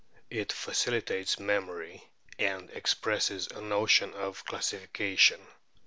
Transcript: It facilitates memory, and expresses a notion of classi fication.